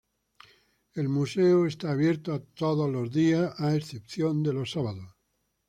El museo está abierto todos los días a excepción de los sábados.